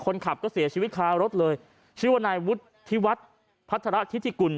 คนขับก็เสียชีวิตค้ารถเลยชื่อว่านายที่วัดพัฒนาทิศิกุล